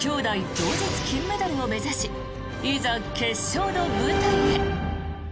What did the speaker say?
同日金メダルを目指しいざ、決勝の舞台へ。